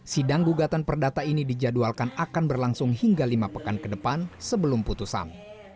sidang gugatan perdata ini dijadwalkan akan berlangsung hingga lima pekan ke depan sebelum putusan